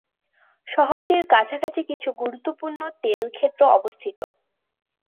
শহরটির কাছাকাছি কিছু গুরুত্বপূর্ণ তেল ক্ষেত্র অবস্থিত।